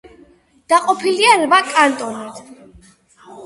დაყოფილია რვა კანტონად.